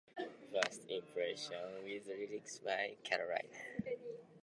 He also wrote the song "First Impression" with lyrics by Carolyn Leigh.